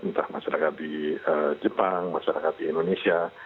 entah masyarakat di jepang masyarakat di indonesia